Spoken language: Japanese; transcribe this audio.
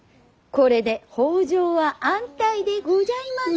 これで北条は安泰でごじゃいます。